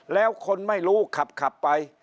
แล้วคนไม่รู้ขับไป